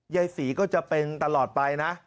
ยายศรีก็จะเป็นตลอดไปนะ